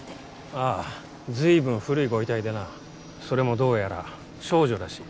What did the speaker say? ああ随分古いご遺体でなそれもどうやら少女らしい。